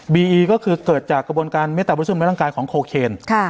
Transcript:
อีกก็คือเกิดจากกระบวนการเมตตาบริสุมในร่างกายของโคเคน